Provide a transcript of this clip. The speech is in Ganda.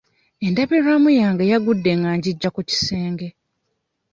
Endabirwamu yange yagudde nga ngiggya ku kisenge.